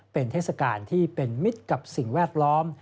เป็นเทศกาลที่เป็นมิตรกับสิ่งแวดล้อม